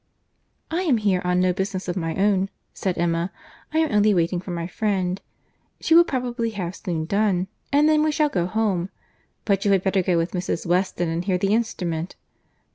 "I am here on no business of my own," said Emma; "I am only waiting for my friend. She will probably have soon done, and then we shall go home. But you had better go with Mrs. Weston and hear the instrument."